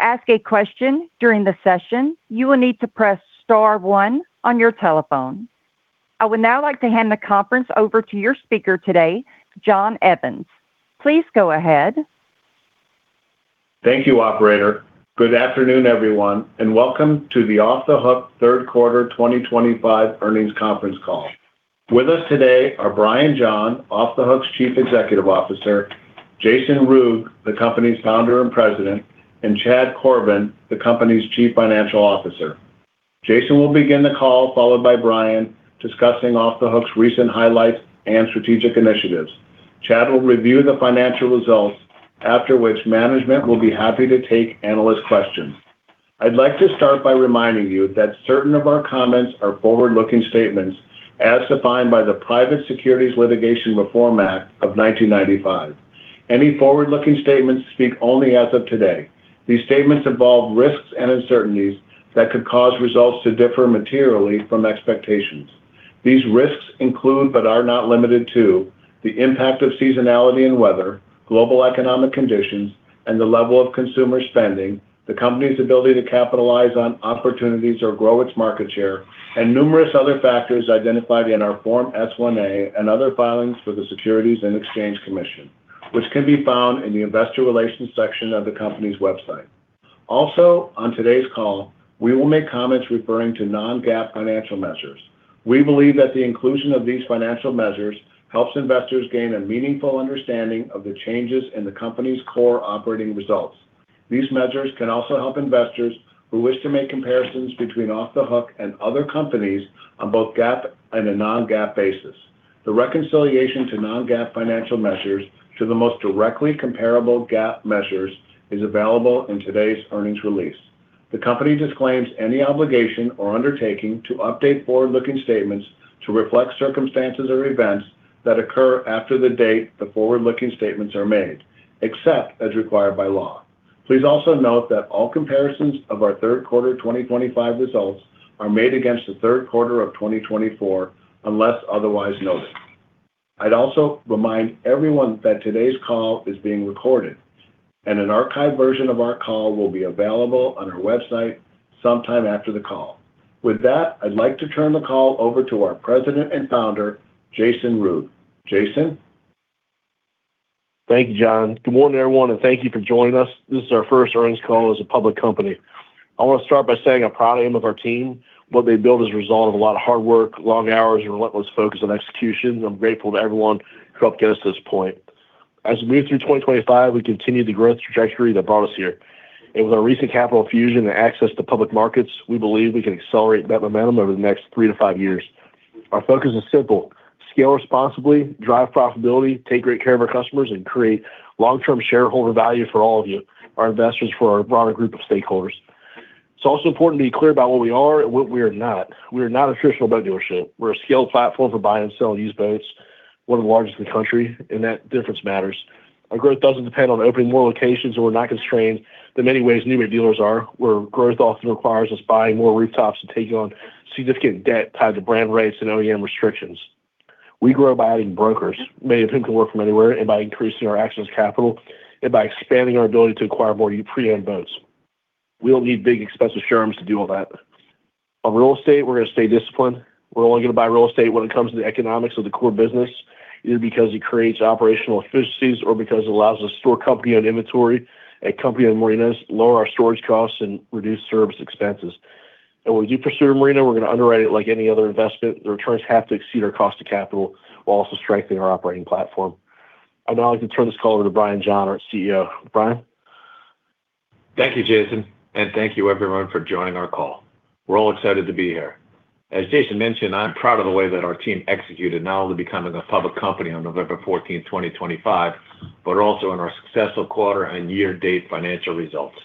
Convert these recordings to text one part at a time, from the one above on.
To ask a question during the session, you will need to press Star 1 on your telephone. I would now like to hand the conference over to your speaker today, John Evans. Please go ahead. Thank you, Operator. Good afternoon, everyone, and welcome to the Off The Hook Third Quarter 2025 earnings conference call. With us today are Brian John, Off The Hook's Chief Executive Officer, Jason Ruegg, the company's founder and president, and Chad Corbin, the company's Chief Financial Officer. Jason will begin the call, followed by Brian discussing Off The Hook's recent highlights and strategic initiatives. Chad will review the financial results, after which management will be happy to take analyst questions. I'd like to start by reminding you that certain of our comments are forward-looking statements as defined by the Private Securities Litigation Reform Act of 1995. Any forward-looking statements speak only as of today. These statements involve risks and uncertainties that could cause results to differ materially from expectations. These risks include, but are not limited to, the impact of seasonality and weather, global economic conditions, and the level of consumer spending, the company's ability to capitalize on opportunities or grow its market share, and numerous other factors identified in our Form S-1A and other filings for the Securities and Exchange Commission, which can be found in the Investor Relations section of the company's website. Also, on today's call, we will make comments referring to non-GAAP financial measures. We believe that the inclusion of these financial measures helps investors gain a meaningful understanding of the changes in the company's core operating results. These measures can also help investors who wish to make comparisons between Off The Hook and other companies on both GAAP and a non-GAAP basis. The reconciliation to non-GAAP financial measures to the most directly comparable GAAP measures is available in today's earnings release. The company disclaims any obligation or undertaking to update forward-looking statements to reflect circumstances or events that occur after the date the forward-looking statements are made, except as required by law. Please also note that all comparisons of our Third Quarter 2025 results are made against the Third Quarter of 2024 unless otherwise noted. I'd also remind everyone that today's call is being recorded, and an archived version of our call will be available on our website sometime after the call. With that, I'd like to turn the call over to our President and Founder, Jason Ruegg. Jason? Thank you, John. Good morning, everyone, and thank you for joining us. This is our first earnings call as a public company. I want to start by saying I'm proud of the team and what they've built as a result of a lot of hard work, long hours, and relentless focus on execution. I'm grateful to everyone who helped get us to this point. As we move through 2025, we continue the growth trajectory that brought us here. And with our recent capital infusion and access to public markets, we believe we can accelerate that momentum over the next three to five years. Our focus is simple: scale responsibly, drive profitability, take great care of our customers, and create long-term shareholder value for all of you, our investors, and for our broader group of stakeholders. It's also important to be clear about what we are and what we are not. We are not a traditional boat dealership. We're a scaled platform for buying and selling used boats, one of the largest in the country, and that difference matters. Our growth doesn't depend on opening more locations, and we're not constrained in the many ways new boat dealers are, where growth often requires us buying more rooftops and taking on significant debt tied to brand rates and OEM restrictions. We grow by adding brokers, many of whom can work from anywhere, and by increasing our access to capital, and by expanding our ability to acquire more pre-owned boats. We don't need big, expensive showrooms to do all that. On real estate, we're going to stay disciplined. We're only going to buy real estate when it comes to the economics of the core business, either because it creates operational efficiencies or because it allows us to store company-owned inventory at company-owned marinas, lower our storage costs, and reduce service expenses. And when we do pursue a marina, we're going to underwrite it like any other investment. The returns have to exceed our cost of capital while also strengthening our operating platform. I'd now like to turn this call over to Brian John, our CEO. Brian? Thank you, Jason, and thank you, everyone, for joining our call. We're all excited to be here. As Jason mentioned, I'm proud of the way that our team executed not only becoming a public company on November 14, 2025, but also in our successful quarter and year-to-date financial results.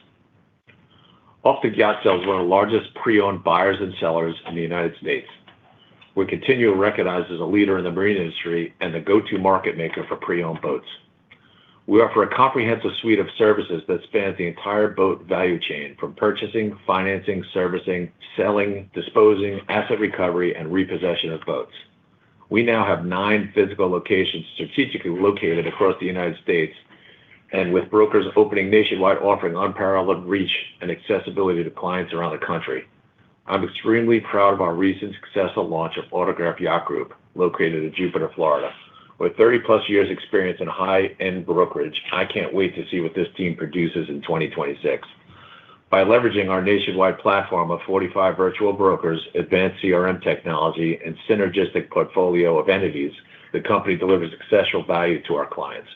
Off The Hook sales were the largest pre-owned buyers and sellers in the United States. We continue to recognize as a leader in the marine industry and the go-to market maker for pre-owned boats. We offer a comprehensive suite of services that spans the entire boat value chain, from purchasing, financing, servicing, selling, disposing, asset recovery, and repossession of boats. We now have nine physical locations strategically located across the United States, and with brokers opening nationwide, offering unparalleled reach and accessibility to clients around the country. I'm extremely proud of our recent successful launch of Autograph Yachts Group, located in Jupiter, Florida. With 30-plus years' experience in high-end brokerage, I can't wait to see what this team produces in 2026. By leveraging our nationwide platform of 45 virtual brokers, advanced CRM technology, and synergistic portfolio of entities, the company delivers exceptional value to our clients.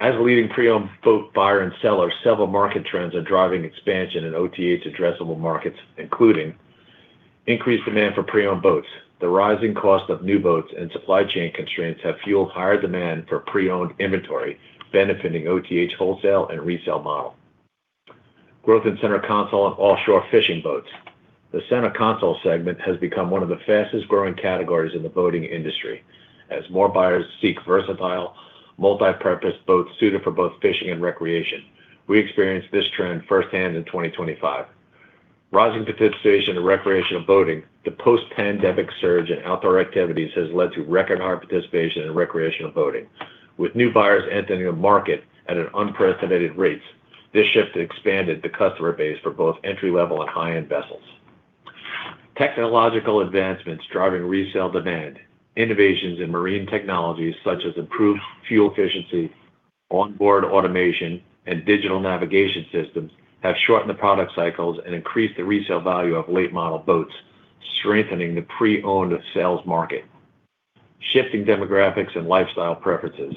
As a leading pre-owned boat buyer and seller, several market trends are driving expansion in OTH to addressable markets, including increased demand for pre-owned boats. The rising cost of new boats and supply chain constraints have fueled higher demand for pre-owned inventory, benefiting OTH wholesale and resale models. Growth in center console and offshore fishing boats. The center console segment has become one of the fastest-growing categories in the boating industry, as more buyers seek versatile, multi-purpose boats suited for both fishing and recreation. We experienced this trend firsthand in 2025. Rising participation in recreational boating, the post-pandemic surge in outdoor activities has led to record-high participation in recreational boating. With new buyers entering the market at unprecedented rates, this shift has expanded the customer base for both entry-level and high-end vessels. Technological advancements driving resale demand, innovations in marine technologies such as improved fuel efficiency, onboard automation, and digital navigation systems have shortened the product cycles and increased the resale value of late-model boats, strengthening the pre-owned sales market. Shifting demographics and lifestyle preferences.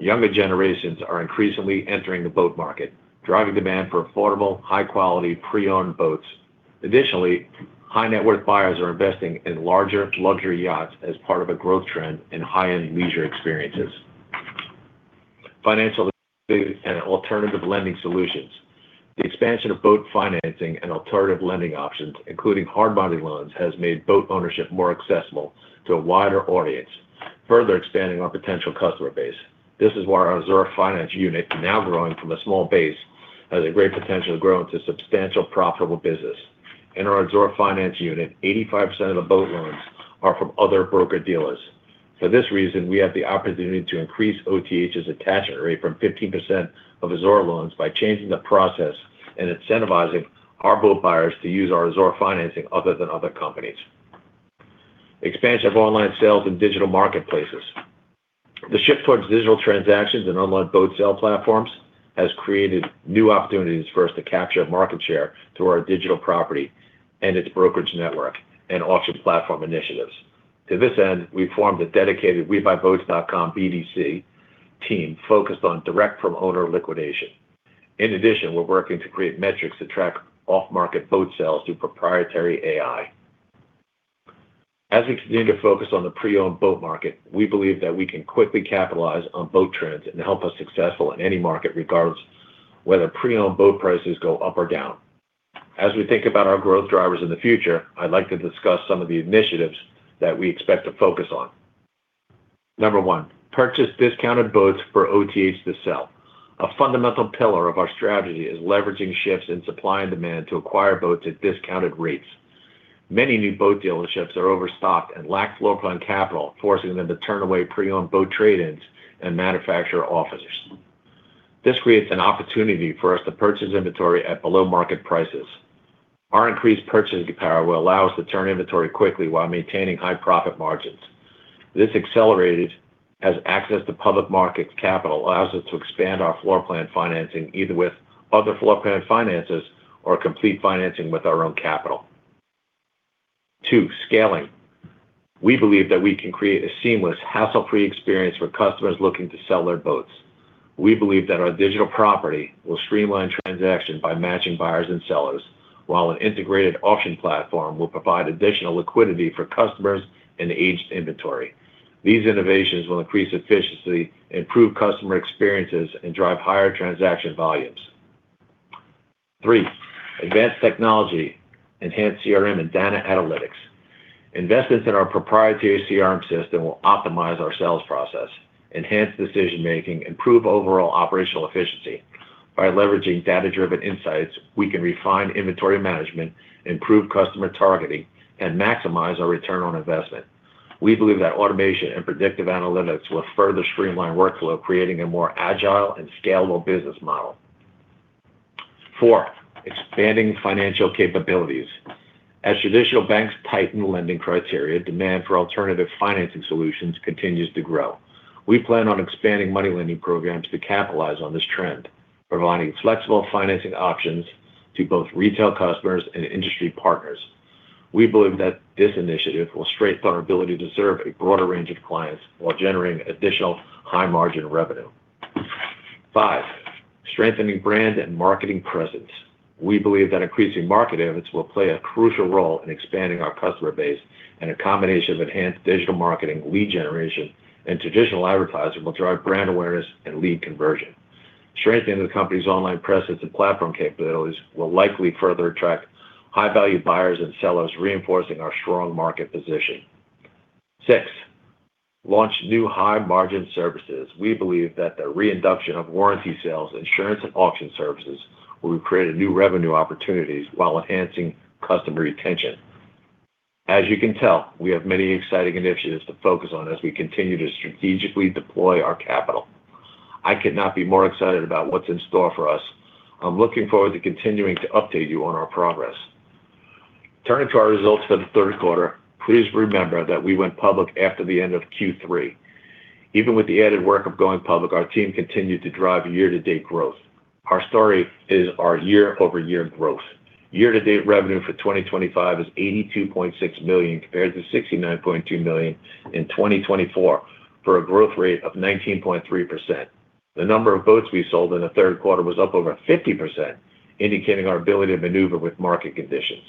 Younger generations are increasingly entering the boat market, driving demand for affordable, high-quality pre-owned boats. Additionally, high-net-worth buyers are investing in larger luxury yachts as part of a growth trend in high-end leisure experiences. Financial and alternative lending solutions. The expansion of boat financing and alternative lending options, including hard money loans, has made boat ownership more accessible to a wider audience, further expanding our potential customer base. This is why our Azure Finance Unit, now growing from a small base, has a great potential to grow into a substantial profitable business. In our Azure Finance Unit, 85% of the boat loans are from other broker-dealers. For this reason, we have the opportunity to increase OTH's attachment rate from 15% of Azure loans by changing the process and incentivizing our boat buyers to use our Azure financing other than other companies. Expansion of online sales and digital marketplaces. The shift towards digital transactions and online boat sale platforms has created new opportunities for us to capture market share through our digital property and its brokerage network and auction platform initiatives. To this end, we formed a dedicated WeBuyBoats.com BDC team focused on direct-from-owner liquidation. In addition, we're working to create metrics to track off-market boat sales through proprietary AI. As we continue to focus on the pre-owned boat market, we believe that we can quickly capitalize on boat trends and help us successful in any market, regardless of whether pre-owned boat prices go up or down. As we think about our growth drivers in the future, I'd like to discuss some of the initiatives that we expect to focus on. Number one, purchase discounted boats for OTH to sell. A fundamental pillar of our strategy is leveraging shifts in supply and demand to acquire boats at discounted rates. Many new boat dealerships are overstaffed and lack floor plan capital, forcing them to turn away pre-owned boat trade-ins and manufacturer offers. This creates an opportunity for us to purchase inventory at below-market prices. Our increased purchasing power will allow us to turn inventory quickly while maintaining high profit margins. This accelerated access to public market capital allows us to expand our floor plan financing either with other floor plan finances or complete financing with our own capital. Two, scaling. We believe that we can create a seamless, hassle-free experience for customers looking to sell their boats. We believe that our digital property will streamline transactions by matching buyers and sellers, while an integrated auction platform will provide additional liquidity for customers and aged inventory. These innovations will increase efficiency, improve customer experiences, and drive higher transaction volumes. Three, advanced technology, enhanced CRM and data analytics. Investments in our proprietary CRM system will optimize our sales process, enhance decision-making, and improve overall operational efficiency. By leveraging data-driven insights, we can refine inventory management, improve customer targeting, and maximize our return on investment. We believe that automation and predictive analytics will further streamline workflow, creating a more agile and scalable business model. Four, expanding financial capabilities. As traditional banks tighten lending criteria, demand for alternative financing solutions continues to grow. We plan on expanding money lending programs to capitalize on this trend, providing flexible financing options to both retail customers and industry partners. We believe that this initiative will strengthen our ability to serve a broader range of clients while generating additional high-margin revenue. Five, strengthening brand and marketing presence. We believe that increasing market efforts will play a crucial role in expanding our customer base, and a combination of enhanced digital marketing, lead generation, and traditional advertising will drive brand awareness and lead conversion. Strengthening the company's online presence and platform capabilities will likely further attract high-value buyers and sellers, reinforcing our strong market position. Six, launch new high-margin services. We believe that the reintroduction of warranty sales, insurance, and auction services will create new revenue opportunities while enhancing customer retention. As you can tell, we have many exciting initiatives to focus on as we continue to strategically deploy our capital. I could not be more excited about what's in store for us. I'm looking forward to continuing to update you on our progress. Turning to our results for the third quarter, please remember that we went public after the end of Q3. Even with the added work of going public, our team continued to drive year-to-date growth. Our story is our year-over-year growth. Year-to-date revenue for 2025 is $82.6 million compared to $69.2 million in 2024, for a growth rate of 19.3%. The number of boats we sold in the Third Quarter was up over 50%, indicating our ability to maneuver with market conditions.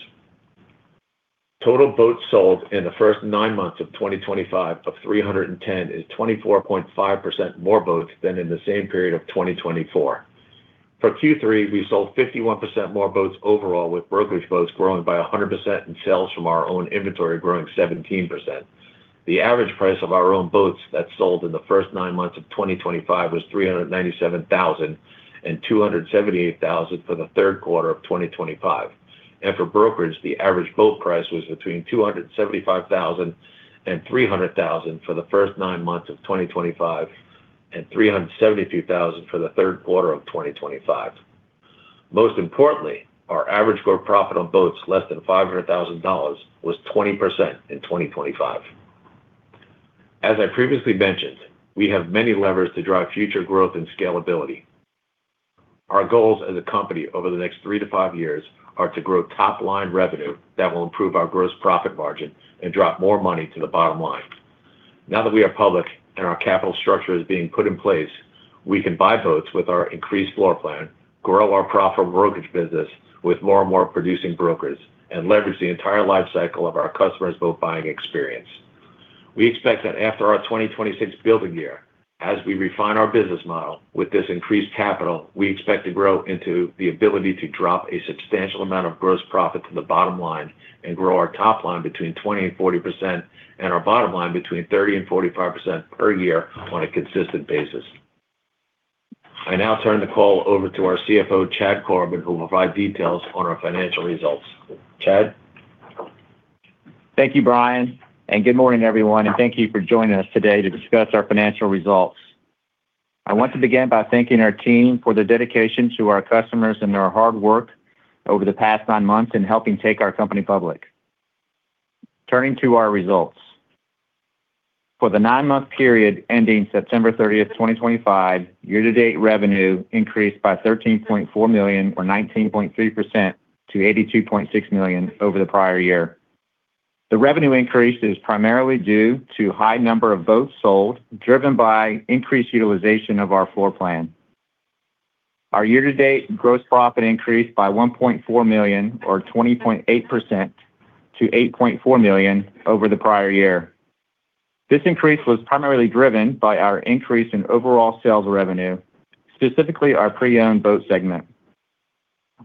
Total boats sold in the first nine months of 2025 of 310 is 24.5% more boats than in the same period of 2024. For Q3, we sold 51% more boats overall, with brokerage boats growing by 100% and sales from our own inventory growing 17%. The average price of our own boats that sold in the first nine months of 2025 was $397,000 and $278,000 for the Third Quarter of 2025, and for brokerage, the average boat price was between $275,000 and $300,000 for the first nine months of 2025 and $372,000 for the Third Quarter of 2025. Most importantly, our average growth profit on boats less than $500,000 was 20% in 2025. As I previously mentioned, we have many levers to drive future growth and scalability. Our goals as a company over the next three to five years are to grow top-line revenue that will improve our gross profit margin and drop more money to the bottom line. Now that we are public and our capital structure is being put in place, we can buy boats with our increased floor plan, grow our profitable brokerage business with more and more producing brokers, and leverage the entire life cycle of our customers' boat buying experience. We expect that after our 2026 building year, as we refine our business model with this increased capital, we expect to grow into the ability to drop a substantial amount of gross profit to the bottom line and grow our top line between 20% and 40% and our bottom line between 30% and 45% per year on a consistent basis. I now turn the call over to our CFO, Chad Corbin, who will provide details on our financial results. Chad? Thank you, Brian, and good morning, everyone, and thank you for joining us today to discuss our financial results. I want to begin by thanking our team for their dedication to our customers and their hard work over the past nine months in helping take our company public. Turning to our results. For the nine-month period ending September 30, 2025, year-to-date revenue increased by $13.4 million, or 19.3%, to $82.6 million over the prior year. The revenue increase is primarily due to a high number of boats sold, driven by increased utilization of our floor plan. Our year-to-date gross profit increased by $1.4 million, or 20.8%, to $8.4 million over the prior year. This increase was primarily driven by our increase in overall sales revenue, specifically our pre-owned boat segment.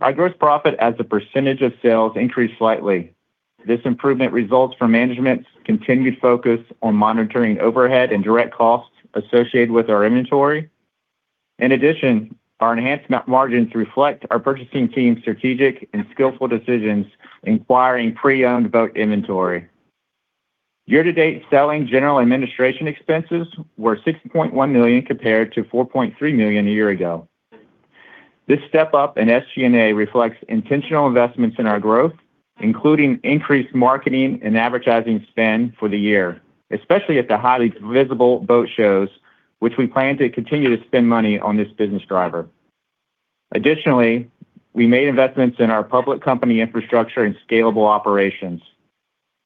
Our gross profit as a percentage of sales increased slightly. This improvement results from management's continued focus on monitoring overhead and direct costs associated with our inventory. In addition, our enhanced margins reflect our purchasing team's strategic and skillful decisions in acquiring pre-owned boat inventory. Year-to-date Selling, General, and Administrative expenses were $6.1 million compared to $4.3 million a year ago. This step up in SG&A reflects intentional investments in our growth, including increased marketing and advertising spend for the year, especially at the highly visible boat shows, which we plan to continue to spend money on this business driver. Additionally, we made investments in our public company infrastructure and scalable operations.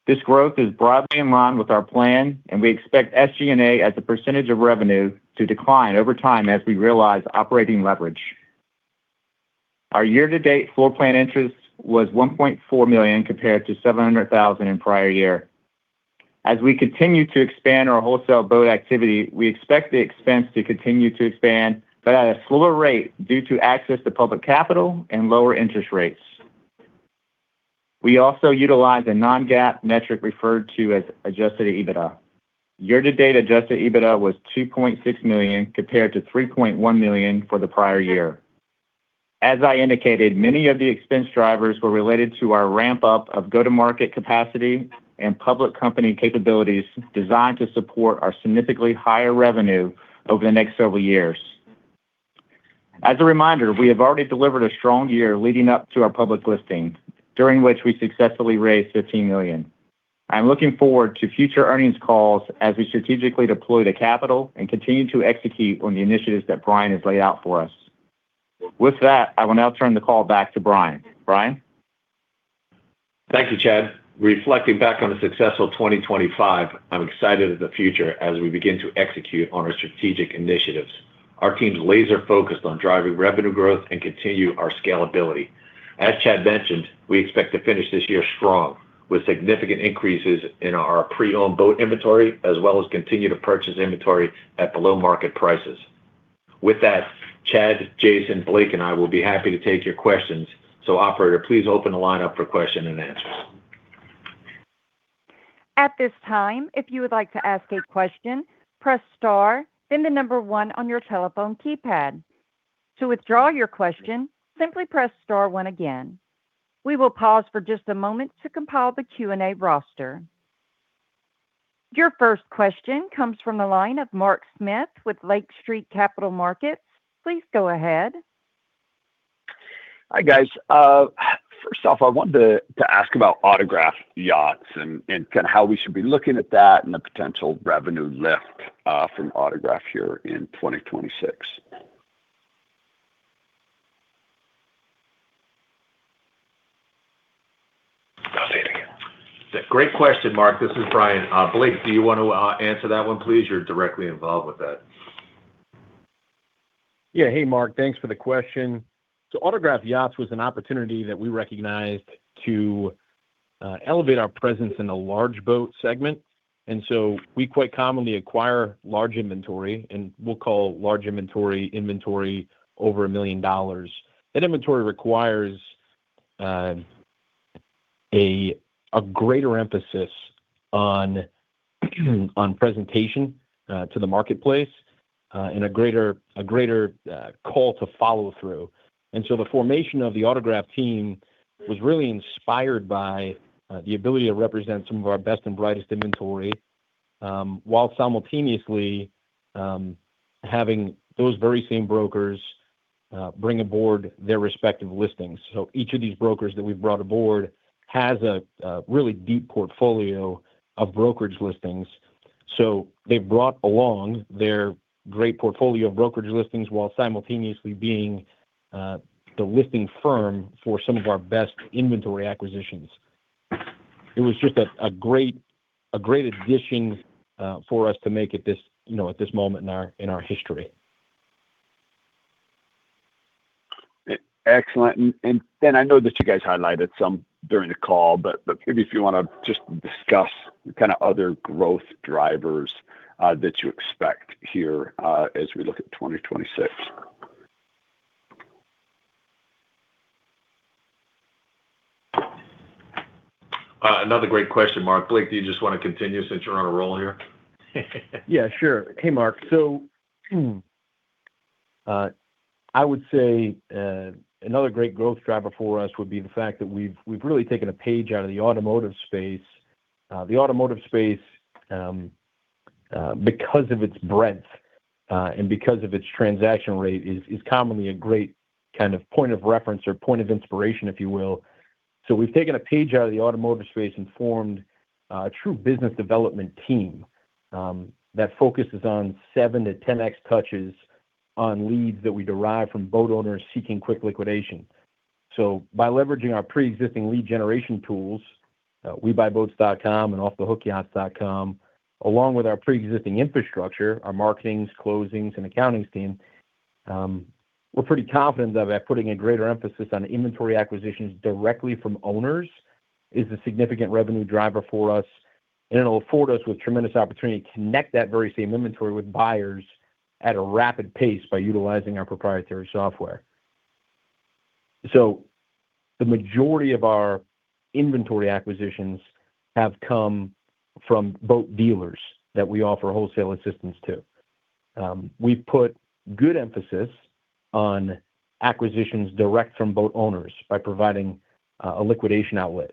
This growth is broadly in line with our plan, and we expect SG&A as a percentage of revenue to decline over time as we realize operating leverage. Our year-to-date floor plan interest was $1.4 million compared to $700,000 in prior year. As we continue to expand our wholesale boat activity, we expect the expense to continue to expand, but at a slower rate due to access to public capital and lower interest rates. We also utilize a non-GAAP metric referred to as Adjusted EBITDA. Year-to-date Adjusted EBITDA was $2.6 million compared to $3.1 million for the prior year. As I indicated, many of the expense drivers were related to our ramp-up of go-to-market capacity and public company capabilities designed to support our significantly higher revenue over the next several years. As a reminder, we have already delivered a strong year leading up to our public listing, during which we successfully raised $15 million. I'm looking forward to future earnings calls as we strategically deploy the capital and continue to execute on the initiatives that Brian has laid out for us. With that, I will now turn the call back to Brian. Brian? Thank you, Chad. Reflecting back on the successful 2025, I'm excited at the future as we begin to execute on our strategic initiatives. Our team's laser-focused on driving revenue growth and continuing our scalability. As Chad mentioned, we expect to finish this year strong with significant increases in our pre-owned boat inventory, as well as continued purchase inventory at below-market prices. With that, Chad, Jason, Blake, and I will be happy to take your questions, so operator, please open the lineup for questions and answers. At this time, if you would like to ask a question, press Star, then the number one on your telephone keypad. To withdraw your question, simply press Star one again. We will pause for just a moment to compile the Q&A roster. Your first question comes from the line of Mark Smith with Lake Street Capital Markets. Please go ahead. Hi, guys. First off, I wanted to ask about Autograph Yachts and kind of how we should be looking at that and the potential revenue lift from Autograph here in 2026. Great question, Mark. This is Brian. Blake, do you want to answer that one, please? You're directly involved with that. Yeah. Hey, Mark. Thanks for the question. So Autograph Yachts was an opportunity that we recognized to elevate our presence in the large boat segment. And so we quite commonly acquire large inventory, and we'll call large inventory inventory over $1 million. That inventory requires a greater emphasis on presentation to the marketplace and a greater call to follow through. And so the formation of the Autograph team was really inspired by the ability to represent some of our best and brightest inventory while simultaneously having those very same brokers bring aboard their respective listings. So each of these brokers that we've brought aboard has a really deep portfolio of brokerage listings. So they've brought along their great portfolio of brokerage listings while simultaneously being the listing firm for some of our best inventory acquisitions. It was just a great addition for us to make at this moment in our history. Excellent. And then I know that you guys highlighted some during the call, but maybe if you want to just discuss kind of other growth drivers that you expect here as we look at 2026. Another great question, Mark. Blake, do you just want to continue since you're on a roll here? Yeah, sure. Hey, Mark. So I would say another great growth driver for us would be the fact that we've really taken a page out of the automotive space. The automotive space, because of its breadth and because of its transaction rate, is commonly a great kind of point of reference or point of inspiration, if you will. So we've taken a page out of the automotive space and formed a true business development team that focuses on 7-10X touches on leads that we derive from boat owners seeking quick liquidation. So by leveraging our pre-existing lead generation tools, WeBuyBoats.com and OffTheHookYachts.com, along with our pre-existing infrastructure, our marketing, closings, and accounting team, we're pretty confident that by putting a greater emphasis on inventory acquisitions directly from owners is a significant revenue driver for us. And it'll afford us with tremendous opportunity to connect that very same inventory with buyers at a rapid pace by utilizing our proprietary software. So the majority of our inventory acquisitions have come from boat dealers that we offer wholesale assistance to. We've put good emphasis on acquisitions direct from boat owners by providing a liquidation outlet.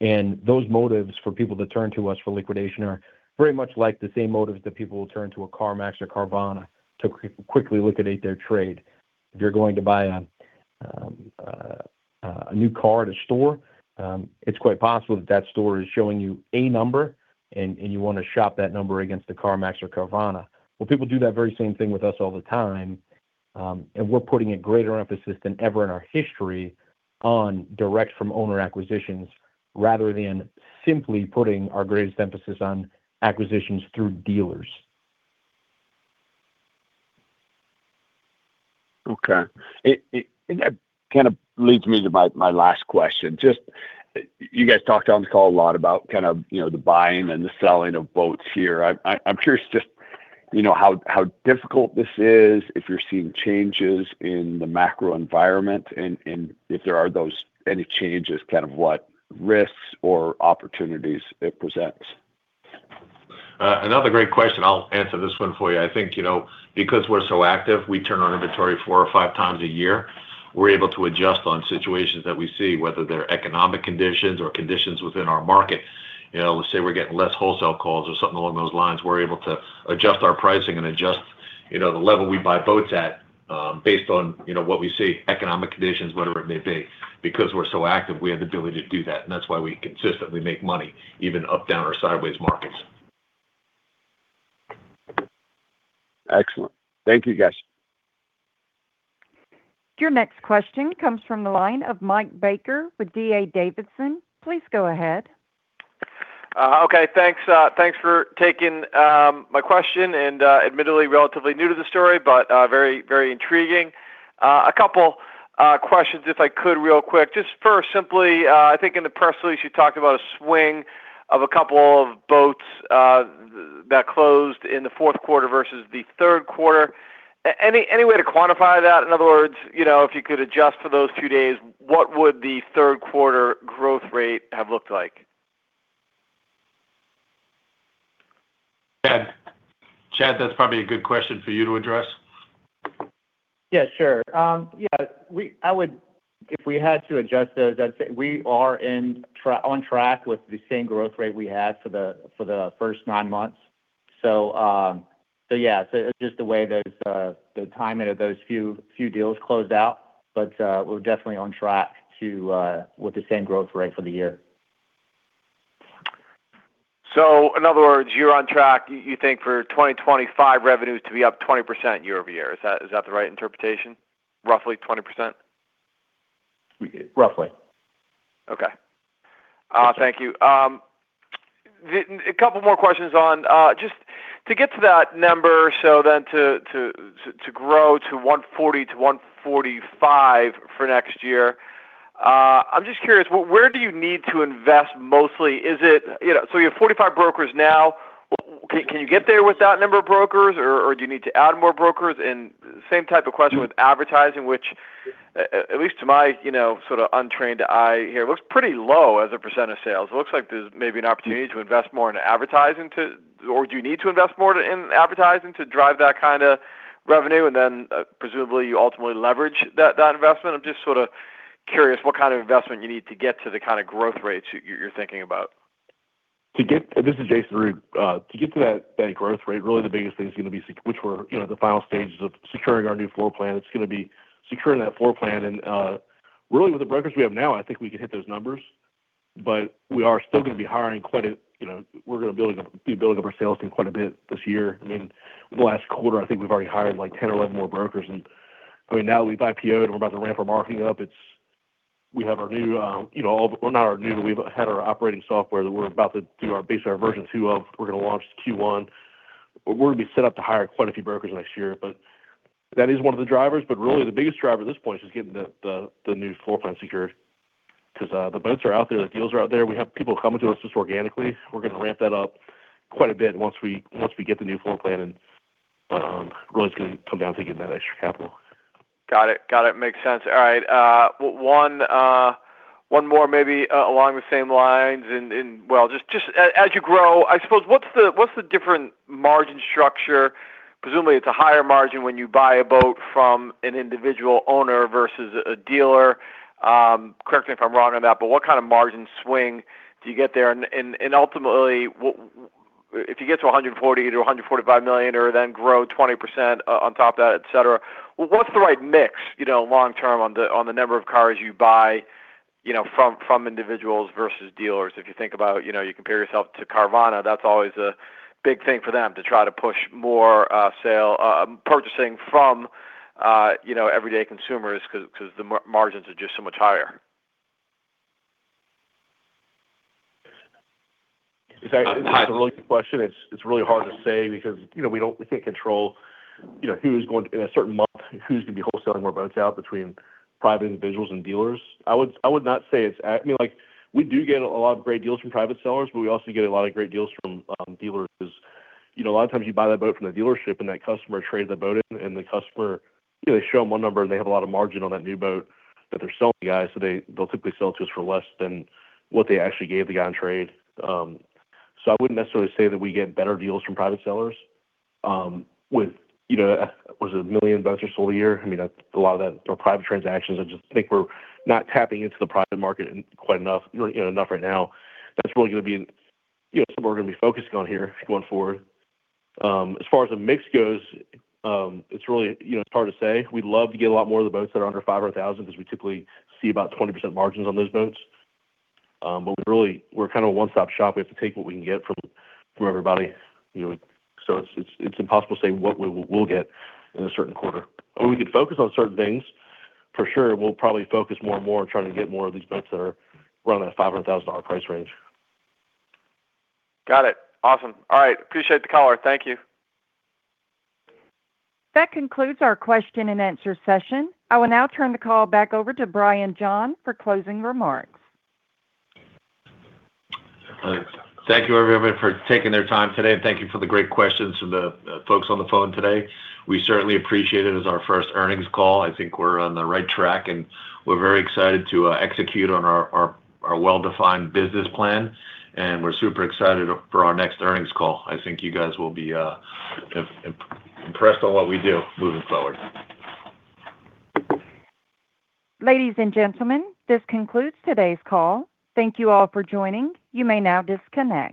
And those motives for people to turn to us for liquidation are very much like the same motives that people will turn to a CarMax or Carvana to quickly liquidate their trade. If you're going to buy a new car at a store, it's quite possible that that store is showing you a number, and you want to shop that number against the CarMax or Carvana. Well, people do that very same thing with us all the time. We're putting a greater emphasis than ever in our history on direct-from-owner acquisitions rather than simply putting our greatest emphasis on acquisitions through dealers. Okay. And that kind of leads me to my last question. Just you guys talked on the call a lot about kind of the buying and the selling of boats here. I'm curious just how difficult this is if you're seeing changes in the macro environment and if there are any changes, kind of what risks or opportunities it presents. Another great question. I'll answer this one for you. I think because we're so active, we turn our inventory four or five times a year. We're able to adjust on situations that we see, whether they're economic conditions or conditions within our market. Let's say we're getting less wholesale calls or something along those lines. We're able to adjust our pricing and adjust the level we buy boats at based on what we see, economic conditions, whatever it may be. Because we're so active, we have the ability to do that, and that's why we consistently make money, even up, down, or sideways markets. Excellent. Thank you, guys. Your next question comes from the line of Mike Baker with D.A. Davidson. Please go ahead. Okay. Thanks for taking my question. And admittedly, relatively new to the story, but very intriguing. A couple of questions, if I could, real quick. Just first, simply, I think in the press release, you talked about a swing of a couple of boats that closed in the fourth quarter versus the third quarter. Any way to quantify that? In other words, if you could adjust for those two days, what would the third quarter growth rate have looked like? Chad, that's probably a good question for you to address. Yeah, sure. Yeah. If we had to adjust those, I'd say we are on track with the same growth rate we had for the first nine months. So yeah, it's just the way the timing of those few deals closed out. But we're definitely on track with the same growth rate for the year. So in other words, you're on track, you think, for 2025 revenues to be up 20% year-over-year. Is that the right interpretation? Roughly 20%? Roughly. Okay. Thank you. A couple more questions on just to get to that number, so then to grow to 140-145 for next year. I'm just curious, where do you need to invest mostly? So you have 45 brokers now. Can you get there with that number of brokers, or do you need to add more brokers? And same type of question with advertising, which, at least to my sort of untrained eye here, looks pretty low as a % of sales. It looks like there's maybe an opportunity to invest more in advertising. Or do you need to invest more in advertising to drive that kind of revenue and then presumably ultimately leverage that investment? I'm just sort of curious what kind of investment you need to get to the kind of growth rates you're thinking about. This is Jason Ruegg. To get to that growth rate, really the biggest thing is going to be, which were the final stages of securing our new floor plan. It's going to be securing that floor plan. Really, with the brokers we have now, I think we could hit those numbers. But we are still going to be hiring. We're going to be building up our sales team quite a bit this year. I mean, in the last quarter, I think we've already hired like 10 or 11 more brokers. I mean, now that we've IPOed and we're about to ramp our marketing up, we have our new or not our new, but we've had our operating software that we're about to do our base of our Version 2 of. We're going to launch Q1. We're going to be set up to hire quite a few brokers next year, but that is one of the drivers, but really, the biggest driver at this point is just getting the new floor plan secured because the boats are out there. The deals are out there. We have people coming to us just organically. We're going to ramp that up quite a bit once we get the new floor plan, and really, it's going to come down to getting that extra capital. Got it. Got it. Makes sense. All right. One more, maybe along the same lines. Well, just as you grow, I suppose, what's the different margin structure? Presumably, it's a higher margin when you buy a boat from an individual owner versus a dealer. Correct me if I'm wrong on that. But what kind of margin swing do you get there? And ultimately, if you get to $140 million-$145 million or then grow 20% on top of that, etc., what's the right mix long-term on the number of cars you buy from individuals versus dealers? If you think about you compare yourself to Carvana, that's always a big thing for them to try to push more sale purchasing from everyday consumers because the margins are just so much higher. Is that a related question? It's really hard to say because we can't control who is going to, in a certain month, who's going to be wholesaling more boats out between private individuals and dealers. I would not say it's. I mean, we do get a lot of great deals from private sellers, but we also get a lot of great deals from dealers. A lot of times, you buy that boat from the dealership, and that customer trades the boat in, and the customer they show them one number, and they have a lot of margin on that new boat that they're selling to the guy. So they'll typically sell it to us for less than what they actually gave the guy in trade. So I wouldn't necessarily say that we get better deals from private sellers with, what is it, a million boats or so a year. I mean, a lot of that are private transactions. I just think we're not tapping into the private market quite enough right now. That's really going to be something we're going to be focusing on here going forward. As far as the mix goes, it's really hard to say. We'd love to get a lot more of the boats that are under $500,000 because we typically see about 20% margins on those boats. But we're kind of a one-stop shop. We have to take what we can get from everybody. So it's impossible to say what we will get in a certain quarter. I mean, we could focus on certain things. For sure, we'll probably focus more and more on trying to get more of these boats that are running at a $500,000 price range. Got it. Awesome. All right. Appreciate the call. Thank you. That concludes our question and answer session. I will now turn the call back over to Brian John for closing remarks. Thank you, everybody, for taking their time today. And thank you for the great questions from the folks on the phone today. We certainly appreciate it as our first earnings call. I think we're on the right track, and we're very excited to execute on our well-defined business plan. And we're super excited for our next earnings call. I think you guys will be impressed on what we do moving forward. Ladies and gentlemen, this concludes today's call. Thank you all for joining. You may now disconnect.